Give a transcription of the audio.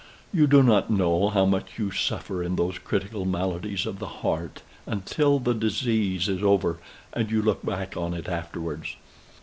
You do not know how much you suffer in those critical maladies of the heart, until the disease is over and you look back on it afterwards.